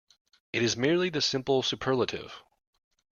It is merely the simple superlative.